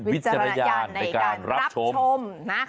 วิจาระยานนะครับรับชม